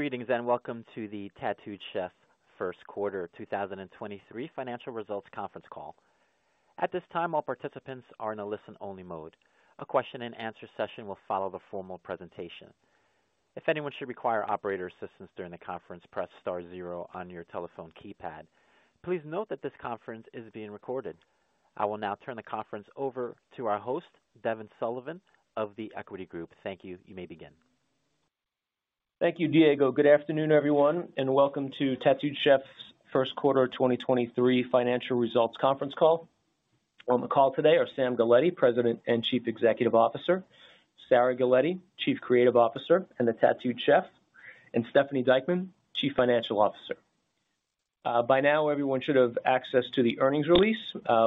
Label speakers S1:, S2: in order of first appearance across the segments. S1: Greetings, welcome to the Tattooed Chef first quarter 2023 financial results conference call. At this time, all participants are in a listen-only mode. A question-and-answer session will follow the formal presentation. If anyone should require operator assistance during the conference, press star zero on your telephone keypad. Please note that this conference is being recorded. I will now turn the conference over to our host, Devin Sullivan of The Equity Group. Thank you. You may begin.
S2: Thank you, Diego. Good afternoon, everyone, and welcome to Tattooed Chef's first quarter 2023 financial results conference call. On the call today are Sam Galletti, President and Chief Executive Officer, Sarah Galletti, Chief Creative Officer, and the Tattooed Chef, and Stephanie Dieckmann, Chief Financial Officer. By now, everyone should have access to the earnings release,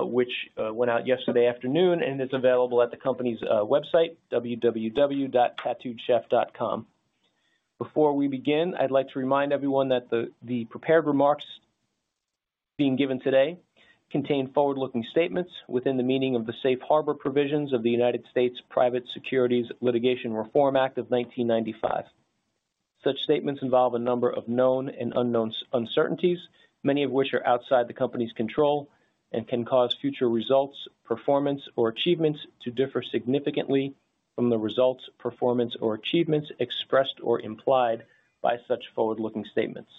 S2: which went out yesterday afternoon and is available at the company's website, www.tattooedchef.com. Before we begin, I'd like to remind everyone that the prepared remarks being given today contain forward-looking statements within the meaning of the Safe Harbor Provisions of the U.S. Private Securities Litigation Reform Act of 1995. Such statements involve a number of known and unknown uncertainties, many of which are outside the company's control and can cause future results, performance, or achievements to differ significantly from the results, performance, or achievements expressed or implied by such forward-looking statements.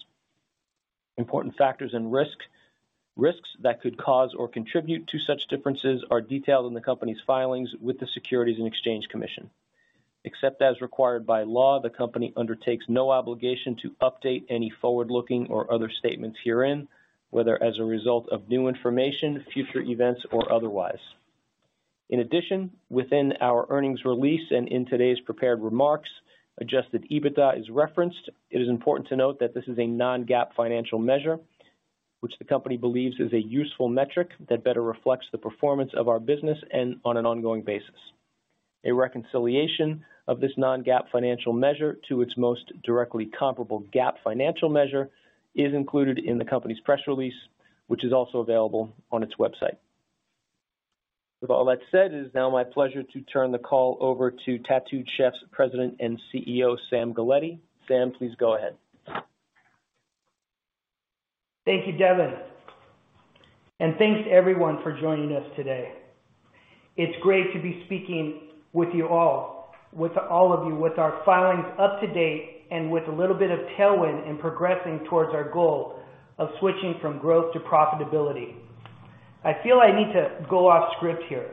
S2: Important factors and risks that could cause or contribute to such differences are detailed in the company's filings with the Securities and Exchange Commission. Except as required by law, the company undertakes no obligation to update any forward-looking or other statements herein, whether as a result of new information, future events, or otherwise. In addition, within our earnings release and in today's prepared remarks, Adjusted EBITDA is referenced. It is important to note that this is a non-GAAP financial measure, which the company believes is a useful metric that better reflects the performance of our business and on an ongoing basis. A reconciliation of this non-GAAP financial measure to its most directly comparable GAAP financial measure is included in the company's press release, which is also available on its website. With all that said, it is now my pleasure to turn the call over to Tattooed Chef's President and CEO, Sam Galletti. Sam, please go ahead.
S3: Thank you, Devin. Thanks to everyone for joining us today. It's great to be speaking with all of you with our filings up to date and with a little bit of tailwind and progressing towards our goal of switching from growth to profitability. I feel I need to go off script here.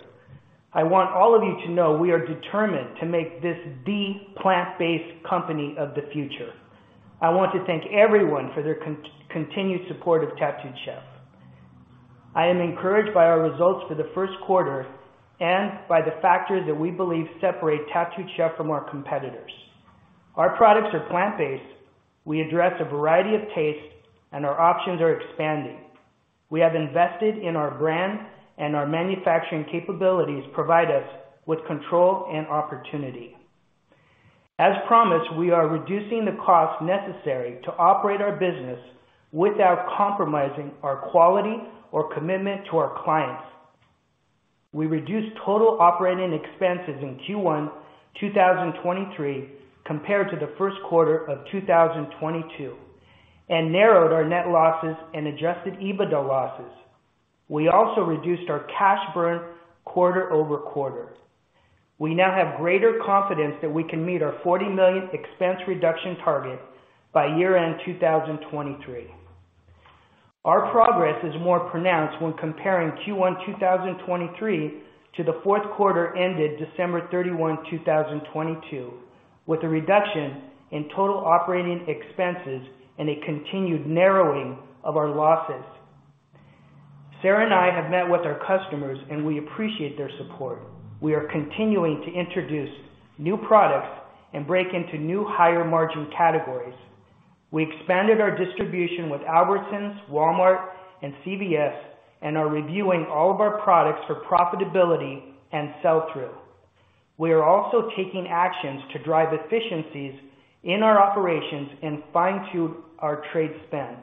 S3: I want all of you to know we are determined to make this the plant-based company of the future. I want to thank everyone for their continued support of Tattooed Chef. I am encouraged by our results for the first quarter and by the factors that we believe separate Tattooed Chef from our competitors. Our products are plant-based. We address a variety of tastes, and our options are expanding. We have invested in our brand, and our manufacturing capabilities provide us with control and opportunity. As promised, we are reducing the costs necessary to operate our business without compromising our quality or commitment to our clients. We reduced total operating expenses in Q1 2023 compared to the first quarter of 2022 and narrowed our net losses and Adjusted EBITDA losses. We also reduced our cash burn quarter-over-quarter. We now have greater confidence that we can meet our $40 million expense reduction target by year-end 2023. Our progress is more pronounced when comparing Q1 2023 to the fourth quarter ended December 31, 2022, with a reduction in total operating expenses and a continued narrowing of our losses. Sarah and I have met with our customers, and we appreciate their support. We are continuing to introduce new products and break into new higher-margin categories. We expanded our distribution with Albertsons, Walmart, and CVS and are reviewing all of our products for profitability and sell-through. We are also taking actions to drive efficiencies in our operations and fine-tune our trade spend.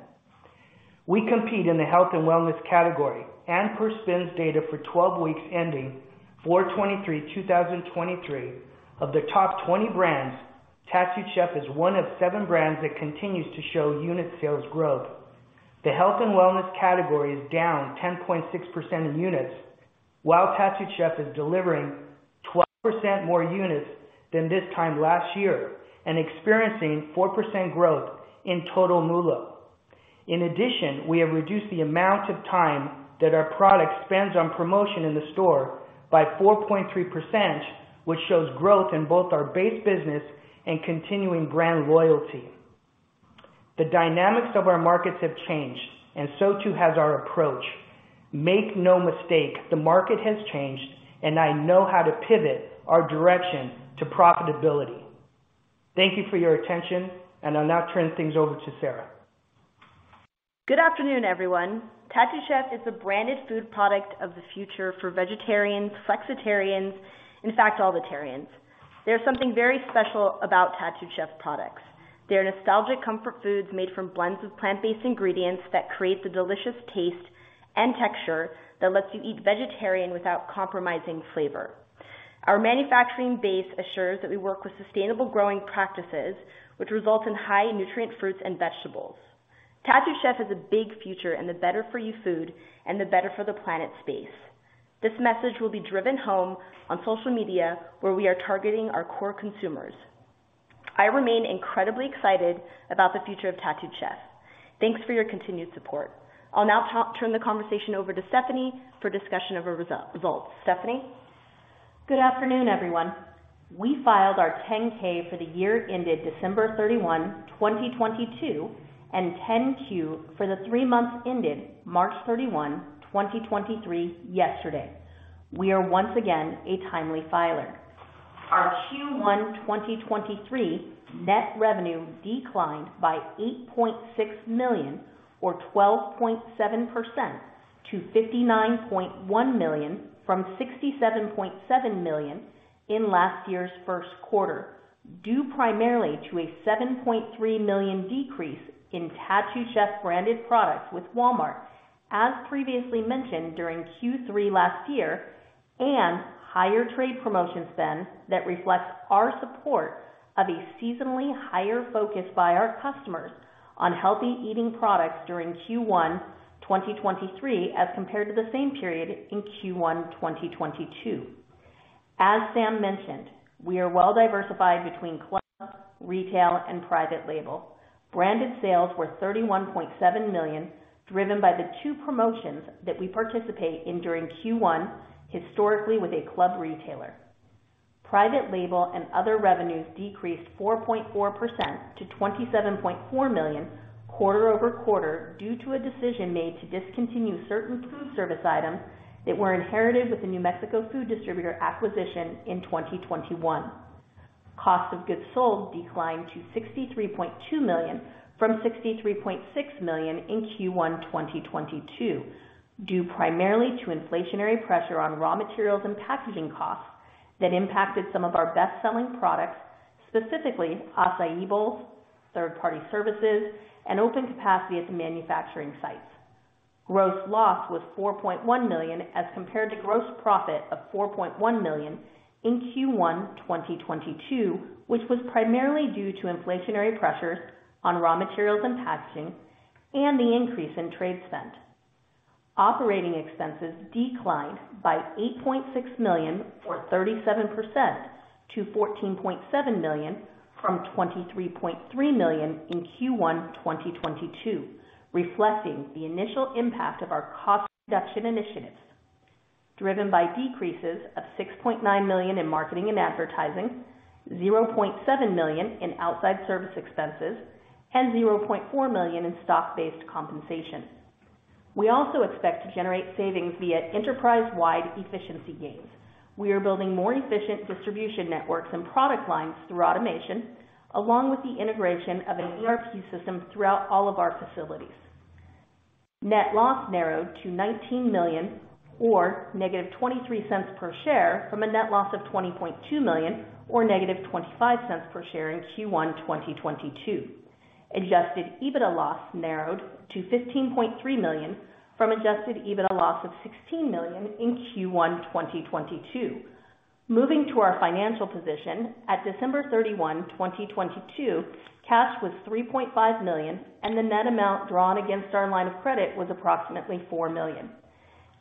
S3: We compete in the health and wellness category and per SPINS data for 12 weeks, ending 4/23/2023 of the top 20 brands, Tattooed Chef is 1 of 7 brands that continues to show unit sales growth. The health and wellness category is down 10.6% in units, while Tattooed Chef is delivering 12% more units than this time last year and experiencing 4% growth in total MULO. In addition, we have reduced the amount of time that our product spends on promotion in the store by 4.3%, which shows growth in both our base business and continuing brand loyalty. The dynamics of our markets have changed. So too has our approach. Make no mistake, the market has changed. I know how to pivot our direction to profitability. Thank you for your attention. I'll now turn things over to Sarah.
S4: Good afternoon, everyone. Tattooed Chef is the branded food product of the future for vegetarians, flexitarians, in fact, all the tarians. There's something very special about Tattooed Chef products. They're nostalgic comfort foods made from blends of plant-based ingredients that create the delicious taste and texture that lets you eat vegetarian without compromising flavor. Our manufacturing base assures that we work with sustainable growing practices, which results in high nutrient fruits and vegetables. Tattooed Chef has a big future and the better for you food and the better for the planet space. This message will be driven home on social media, where we are targeting our core consumers. I remain incredibly excited about the future of Tattooed Chef. Thanks for your continued support. I'll now turn the conversation over to Stephanie for discussion of our results. Stephanie.
S5: Good afternoon, everyone. We filed our 10-K for the year ended December 31, 2022 and 10-Q for the three months ended March 31, 2023 yesterday. We are once again a timely filer. Our Q1 2023 net revenue declined by $8.6 million or 12.7% to $59.1 million from $67.7 million in last year's first quarter, due primarily to a $7.3 million decrease in Tattooed Chef branded products with Walmart, as previously mentioned during Q3 last year, and higher trade promotion spend that reflects our support of a seasonally higher focus by our customers on healthy eating products during Q1 2023 as compared to the same period in Q1 2022. As Sam mentioned, we are well-diversified between club, retail, and private label. Branded sales were $31.7 million, driven by the two promotions that we participate in during Q1, historically with a club retailer. Private label and other revenues decreased 4.4% to $27.4 million quarter-over-quarter due to a decision made to discontinue certain food service items that were inherited with the New Mexico food distributor acquisition in 2021. Cost of goods sold declined to $63.2 million from $63.6 million in Q1 2022, due primarily to inflationary pressure on raw materials and packaging costs that impacted some of our best-selling products, specifically Acai Bowls, third-party services, and open capacity at the manufacturing sites. Gross loss was $4.1 million, as compared to gross profit of $4.1 million in Q1 2022, which was primarily due to inflationary pressures on raw materials and packaging and the increase in trade spend. Operating expenses declined by $8.6 million or 37% to $14.7 million from $23.3 million in Q1 2022, reflecting the initial impact of our cost reduction initiatives, driven by decreases of $6.9 million in marketing and advertising, $0.7 million in outside service expenses, and $0.4 million in stock-based compensation. We also expect to generate savings via enterprise-wide efficiency gains. We are building more efficient distribution networks and product lines through automation, along with the integration of an ERP system throughout all of our facilities. Net loss narrowed to $19 million or -$0.23 per share from a net loss of $20.2 million or -$0.25 per share in Q1 2022. Adjusted EBITDA loss narrowed to $15.3 million from Adjusted EBITDA loss of $16 million in Q1 2022. Moving to our financial position, at December 31, 2022, cash was $3.5 million, and the net amount drawn against our line of credit was approximately $4 million.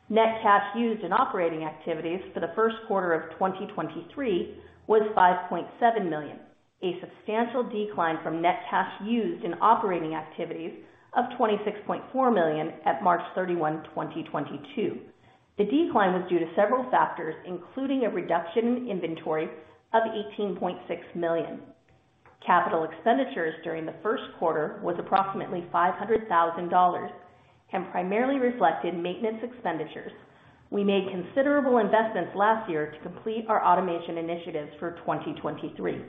S5: Net cash used in operating activities for the first quarter of 2023 was $5.7 million, a substantial decline from net cash used in operating activities of $26.4 million at March 31, 2022. The decline was due to several factors, including a reduction in inventory of $18.6 million. Capital expenditures during the first quarter was approximately $500,000 and primarily reflected maintenance expenditures. We made considerable investments last year to complete our automation initiatives for 2023.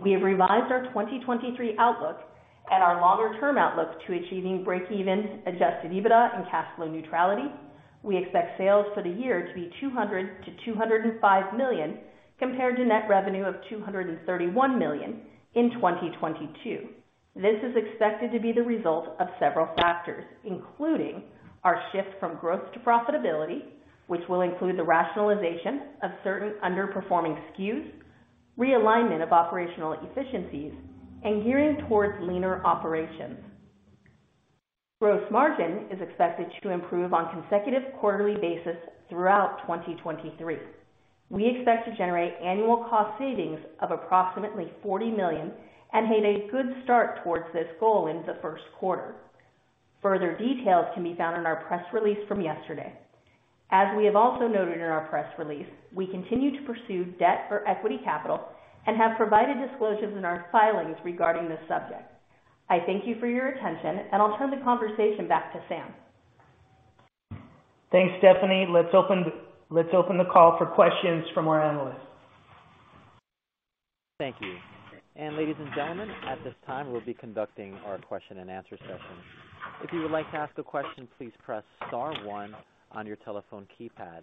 S5: We have revised our 2023 outlook and our longer-term outlook to achieving break-even Adjusted EBITDA and cash flow neutrality. We expect sales for the year to be $200 million-$205 million, compared to net revenue of $231 million in 2022. This is expected to be the result of several factors, including our shift from growth to profitability, which will include the rationalization of certain underperforming SKUs, realignment of operational efficiencies, and gearing towards leaner operations. Gross margin is expected to improve on consecutive quarterly basis throughout 2023. We expect to generate annual cost savings of approximately $40 million and had a good start towards this goal in the first quarter. Further details can be found in our press release from yesterday. We have also noted in our press release, we continue to pursue debt or equity capital and have provided disclosures in our filings regarding this subject. I thank you for your attention, and I'll turn the conversation back to Sam.
S3: Thanks, Stephanie. Let's open the call for questions from our analysts.
S1: Thank you. Ladies and gentlemen, at this time, we'll be conducting our question and answer session. If you would like to ask a question, please press star one on your telephone keypad.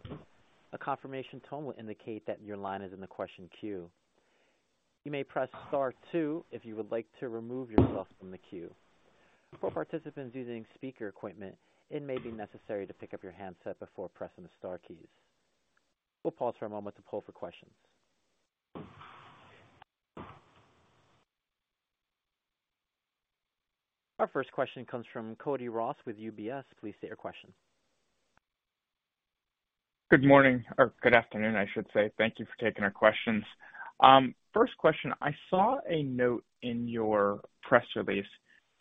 S1: A confirmation tone will indicate that your line is in the question queue. You may press star two if you would like to remove yourself from the queue. For participants using speaker equipment, it may be necessary to pick up your handset before pressing the star keys. We'll pause for a moment to poll for questions. Our first question comes from Cody Ross with UBS. Please state your question.
S6: Good morning or good afternoon, I should say. Thank you for taking our questions. First question. I saw a note in your press release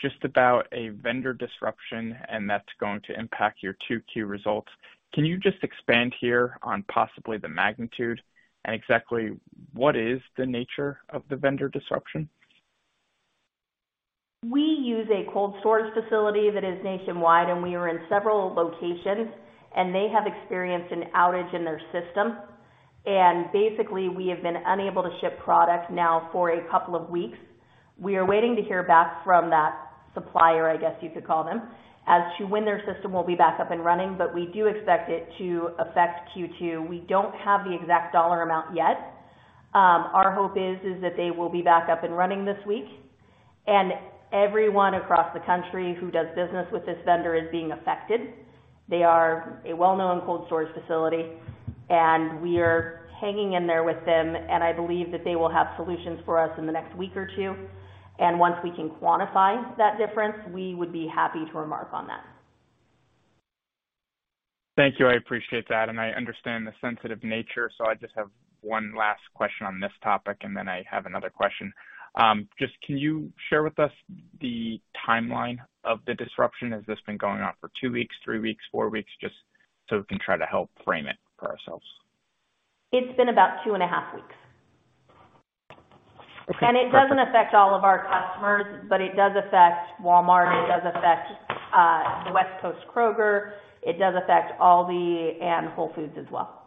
S6: just about a vendor disruption and that's going to impact your two key results. Can you just expand here on possibly the magnitude and exactly what is the nature of the vendor disruption?
S5: We use a cold storage facility that is nationwide, and we are in several locations, and they have experienced an outage in their system. Basically, we have been unable to ship product now for a couple of weeks. We are waiting to hear back from that supplier, I guess you could call them, as to when their system will be back up and running, but we do expect it to affect Q2. We don't have the exact dollar amount yet. Our hope is that they will be back up and running this week. Everyone across the country who does business with this vendor is being affected. They are a well-known cold storage facility, and we are hanging in there with them, and I believe that they will have solutions for us in the next week or two. Once we can quantify that difference, we would be happy to remark on that.
S6: Thank you. I appreciate that. I understand the sensitive nature. I just have 1 last question on this topic, and then I have another question. Just can you share with us the timeline of the disruption? Has this been going on for 2 weeks, 3 weeks, 4 weeks? Just so we can try to help frame it for ourselves.
S5: It's been about two and a half weeks.
S6: Okay, perfect.
S5: It doesn't affect all of our customers, but it does affect Walmart, it does affect West Coast Kroger, it does affect ALDI and Whole Foods as well.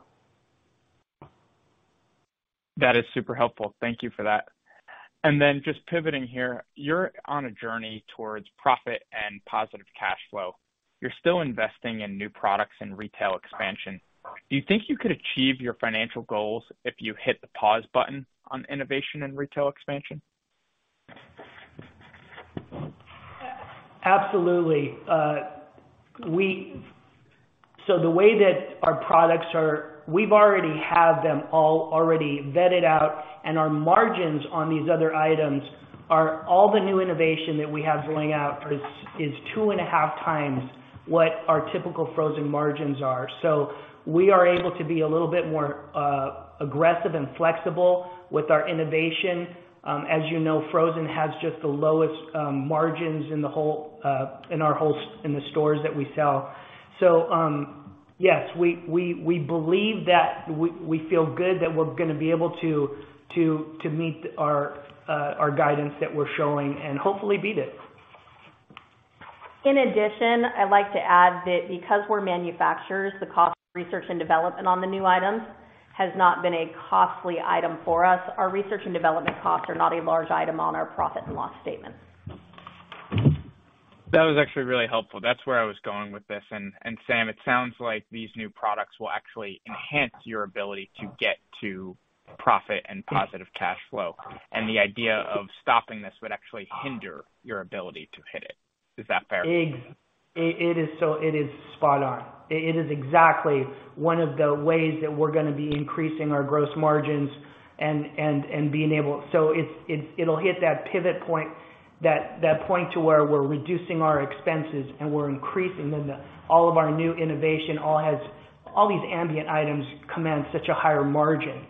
S6: That is super helpful. Thank you for that. Just pivoting here, you're on a journey towards profit and positive cash flow. You're still investing in new products and retail expansion. Do you think you could achieve your financial goals if you hit the pause button on innovation and retail expansion?
S3: Absolutely. The way that our products are, we've already have them all vetted out, and our margins on these other items are all the new innovation that we have going out is 2.5 times what our typical frozen margins are. We are able to be a little bit more aggressive and flexible with our innovation. As you know, frozen has just the lowest margins in the whole in our whole in the stores that we sell. Yes, we believe that we feel good that we're gonna be able to meet our guidance that we're showing and hopefully beat it.
S5: In addition, I'd like to add that because we're manufacturers, the cost of research and development on the new items has not been a costly item for us. Our research and development costs are not a large item on our profit and loss statement.
S6: That was actually really helpful. That's where I was going with this. Sam, it sounds like these new products will actually enhance your ability to get to profit and positive cash flow, the idea of stopping this would actually hinder your ability to hit it. Is that fair?
S3: It is spot on. It is exactly one of the ways that we're gonna be increasing our gross margins and being able. It's, it'll hit that pivot point, that point to where we're reducing our expenses and we're increasing them. All these ambient items command such a higher margin.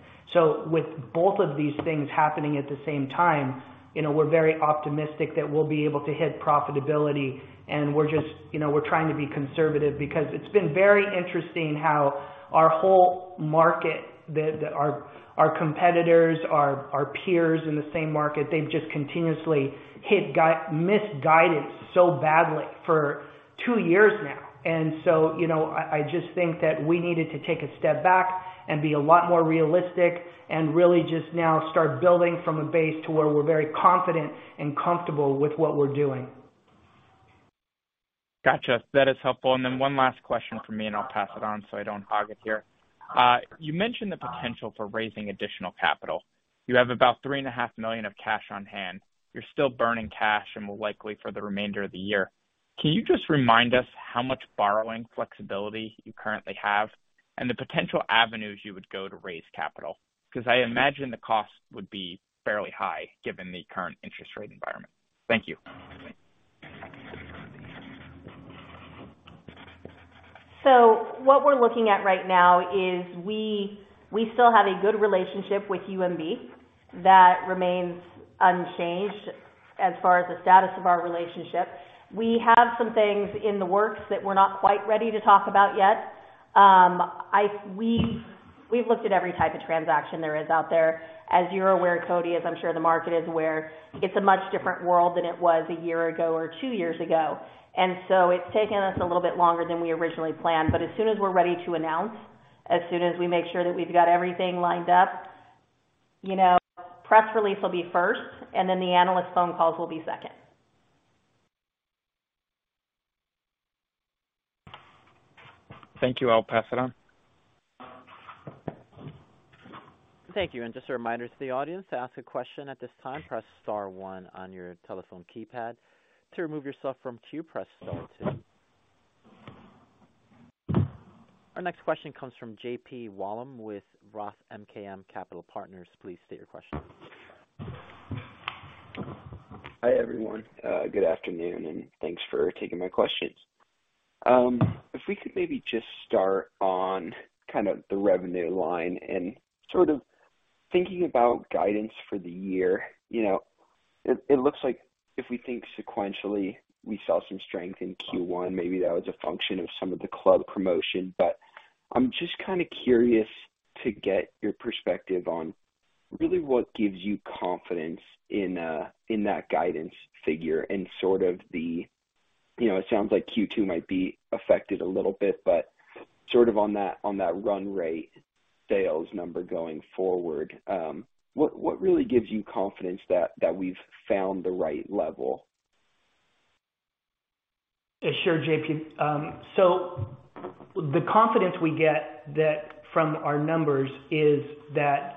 S3: With both of these things happening at the same time, you know, we're very optimistic that we'll be able to hit profitability. We're just, you know, we're trying to be conservative because it's been very interesting how our whole market that our competitors, our peers in the same market, they've just continuously hit misguided so badly for two years now. you know, I just think that we needed to take a step back and be a lot more realistic and really just now start building from a base to where we're very confident and comfortable with what we're doing.
S6: Gotcha. That is helpful. One last question from me, and I'll pass it on, so I don't hog it here. You mentioned the potential for raising additional capital. You have about $3.5 million of cash on hand. You're still burning cash and will likely for the remainder of the year. Can you just remind us how much borrowing flexibility you currently have and the potential avenues you would go to raise capital? I imagine the cost would be fairly high given the current interest rate environment. Thank you.
S5: What we're looking at right now is we still have a good relationship with UMB that remains unchanged as far as the status of our relationship. We have some things in the works that we're not quite ready to talk about yet. We've looked at every type of transaction there is out there. As you're aware, Cody, as I'm sure the market is aware, it's a much different world than it was a year ago or two years ago. It's taken us a little bit longer than we originally planned. As soon as we're ready to announce, as soon as we make sure that we've got everything lined up, you know, press release will be first, and then the analyst phone calls will be second.
S6: Thank you. I'll pass it on.
S1: Thank you. Just a reminder to the audience, to ask a question at this time, press star one on your telephone keypad. To remove yourself from queue, press star two. Our next question comes from JP Wollam with Roth MKM Capital Partners. Please state your question.
S7: Hi, everyone. Good afternoon, and thanks for taking my questions. If we could maybe just start on kind of the revenue line and sort of thinking about guidance for the year. You know, it looks like if we think sequentially, we saw some strength in Q1. Maybe that was a function of some of the club promotion. I'm just kinda curious to get your perspective on really what gives you confidence in that guidance figure and sort of the... You know, it sounds like Q2 might be affected a little bit, but sort of on that run rate sales number going forward, what really gives you confidence that we've found the right level?
S3: Yeah, sure, JP. The confidence we get that from our numbers is that,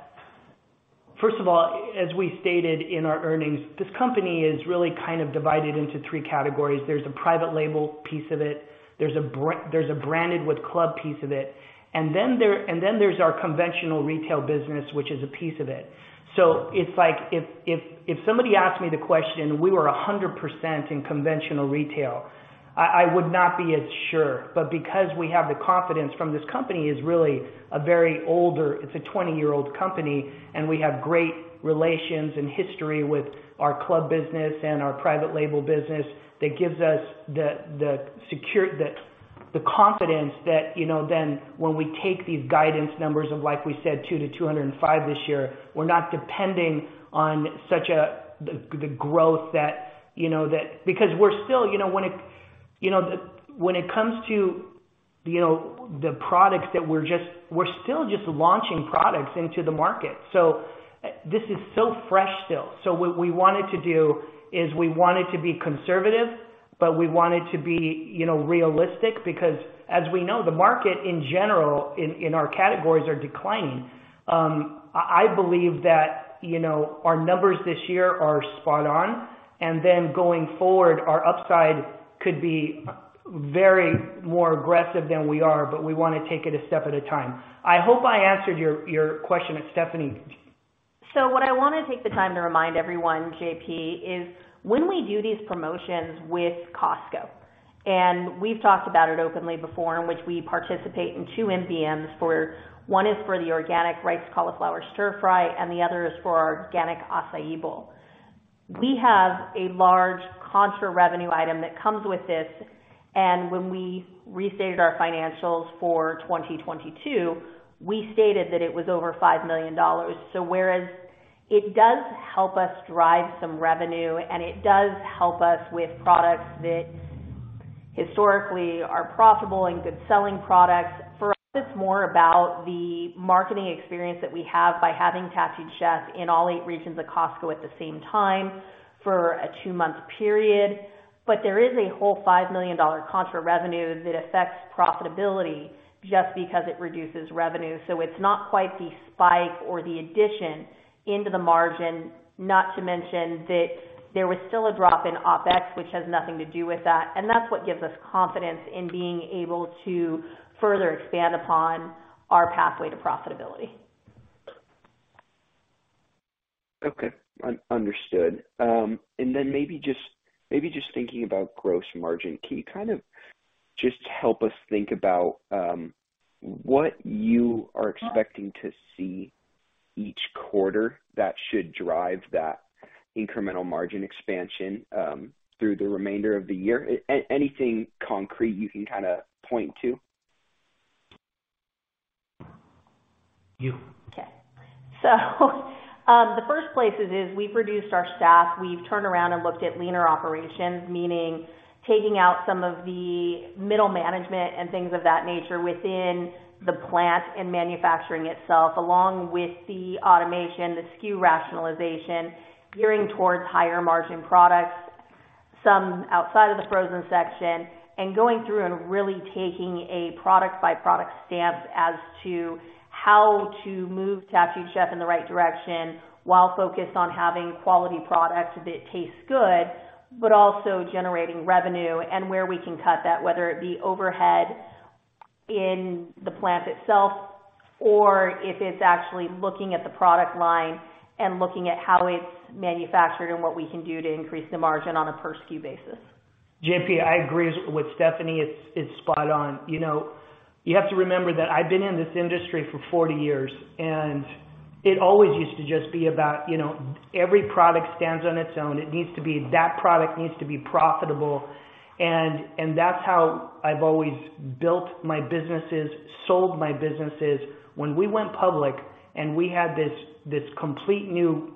S3: first of all, as we stated in our earnings, this company is really kind of divided into three categories. There's a private label piece of it, there's a branded with club piece of it, and then there's our conventional retail business, which is a piece of it. It's like if somebody asked me the question, we were 100% in conventional retail, I would not be as sure. Because we have the confidence from this company is really a very older, it's a 20-year-old company, and we have great relations and history with our club business and our private label business, that gives us the confidence that, you know, then when we take these guidance numbers of, like we said, $2 million to $205 million this year, we're not depending on the growth that, you know. Because we're still, you know, When it comes to, you know, We're still just launching products into the market. This is so fresh still. What we wanted to do is we wanted to be conservative, but we wanted to be, you know, realistic because as we know, the market in general in our categories are declining. I believe that, you know, our numbers this year are spot on, and then going forward, our upside could be very more aggressive than we are, but we wanna take it a step at a time. I hope I answered your question. Stephanie?
S5: What I wanna take the time to remind everyone, JP., is when we do these promotions with Costco, and we've talked about it openly before, in which we participate in 2 MBMs for. One is for the Organic Riced Cauliflower Stir Fry and the other is for our Organic Acai Bowl. We have a large contra revenue item that comes with this, and when we restated our financials for 2022, we stated that it was over $5 million. Whereas it does help us drive some revenue and it does help us with products that historically are profitable and good selling products. For us, it's more about the marketing experience that we have by having Tattooed Chef in all 8 regions of Costco at the same time for a 2-month period. There is a whole $5 million contra revenue that affects profitability just because it reduces revenue. It's not quite the spike or the addition into the margin, not to mention that there was still a drop in OpEx, which has nothing to do with that. That's what gives us confidence in being able to further expand upon our pathway to profitability.
S7: Okay. Understood. Then maybe just thinking about gross margin, can you kind of just help us think about what you are expecting to see each quarter that should drive that incremental margin expansion through the remainder of the year? Anything concrete you can kind of point to?
S3: You.
S5: The first place is we've reduced our staff. We've turned around and looked at leaner operations, meaning taking out some of the middle management and things of that nature within the plant and manufacturing itself, along with the automation, the SKU rationalization, gearing towards higher margin products, some outside of the frozen section, and going through and really taking a product by product stance as to how to move Tattooed Chef in the right direction while focused on having quality products that taste good, but also generating revenue and where we can cut that, whether it be overhead in the plant itself or if it's actually looking at the product line and looking at how it's manufactured and what we can do to increase the margin on a per SKU basis.
S3: JP, I agree with Stephanie. It's spot on. You know, you have to remember that I've been in this industry for 40 years, and it always used to just be about, you know, every product stands on its own. That product needs to be profitable. That's how I've always built my businesses, sold my businesses. When we went public and we had this complete new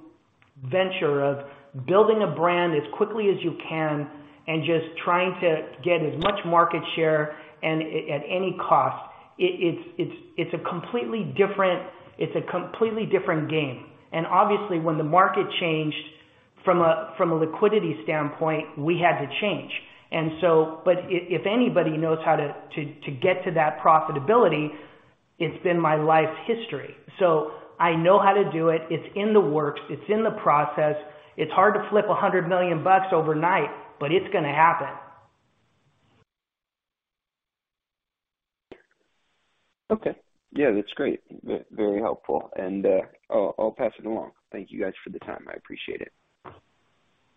S3: venture of building a brand as quickly as you can and just trying to get as much market share at any cost, it's a completely different, it's a completely different game. Obviously, when the market changed from a, from a liquidity standpoint, we had to change. But if anybody knows how to get to that profitability, it's been my life's history. I know how to do it. It's in the works. It's in the process. It's hard to flip $100 million overnight. It's gonna happen.
S7: Okay. Yeah, that's great. Very helpful. I'll pass it along. Thank you guys for the time. I appreciate it.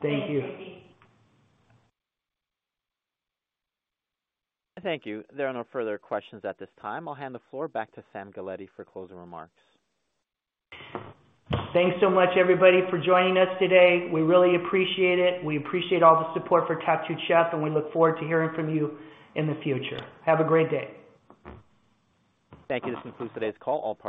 S3: Thank you.
S5: Thanks, JP.
S1: Thank you. There are no further questions at this time. I'll hand the floor back to Sam Galletti for closing remarks.
S3: Thanks so much, everybody, for joining us today. We really appreciate it. We appreciate all the support for Tattooed Chef, and we look forward to hearing from you in the future. Have a great day.
S1: Thank you. This concludes today's call. All parties.